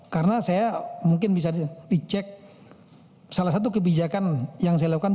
karena saya mungkin bisa dicek salah satu kebijakan yang saya lakukan